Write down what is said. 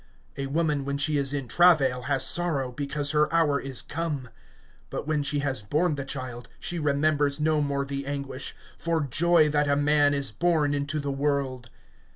(21)A woman when she is in travail has sorrow, because her hour is come; but when she has borne the child, she remembers no more the anguish, for joy that a man is born into the world.